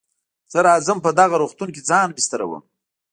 زه راځم په دغه روغتون کې ځان بستروم.